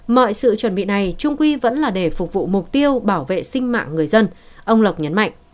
mọi sự chuẩn bị này trung quy vẫn là để phục vụ mục tiêu bảo vệ sinh mạng người dân ông lộc nhấn mạnh